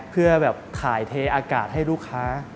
เพื่อแบบถ่ายเทอากาศให้ลูกค้า